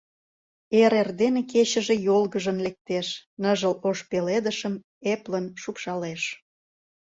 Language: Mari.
Эр эрдене кечыже Йолгыжын лектеш, Ныжыл ош пеледышым Эплын шупшалеш.